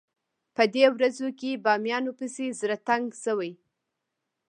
په دې ورځو کې بامیانو پسې زړه تنګ شوی.